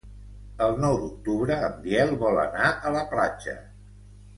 El nou d'octubre en Biel vol anar a la platja.